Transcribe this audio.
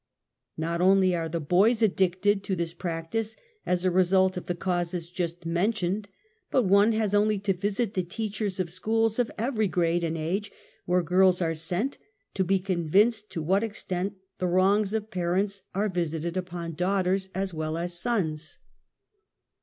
^ot only are the boys addicted to this practice as a result of the causes just mentioned, but one has only to visit the teachers of schools of every grade and age, where girls are sent, to be convinced to what an extent the wrongs of parents are visited upon daughters as well as sons.